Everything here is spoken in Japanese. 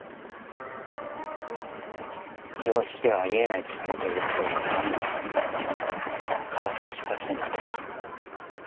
常識ではあり得ないとされている事を疑うのが科学の出発点なんです。